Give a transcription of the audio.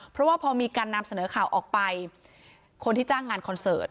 เพราะว่าพอมีการนำเสนอข่าวออกไปคนที่จ้างงานคอนเสิร์ต